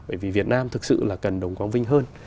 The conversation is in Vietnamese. bởi vì việt nam thực sự là cần đồng quang vinh hơn